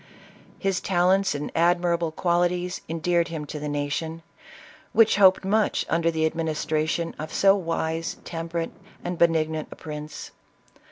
His talents and admirable qualities endeared him to the nation, which hoped much under the administration of so wise, temperate, and benignant a prince.